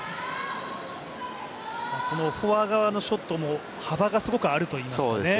このフォア側のショットも幅がすごくあるといいますか。